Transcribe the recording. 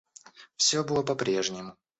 Все было по-прежнему.